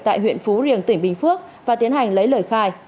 tại huyện phú riềng tỉnh bình phước và tiến hành lấy lời khai